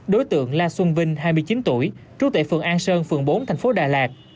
đối tượng la xuân vinh hai mươi chín tuổi trú tại phường an sơn phường bốn thành phố đà lạt